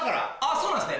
そうなんっすね。